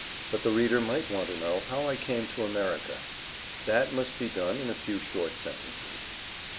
But the reader might want to know how I came to America. That must be done in a few short sentences.